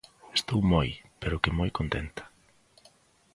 Estou moi, pero que moi contenta.